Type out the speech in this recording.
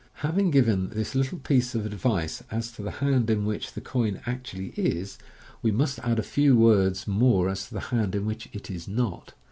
Having given this little piece of advice as to the hand in which the coin actually is, we must add a few words more as to the hand in which it is not.